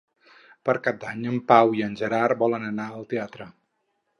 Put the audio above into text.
Per Cap d'Any en Pau i en Gerard volen anar al teatre.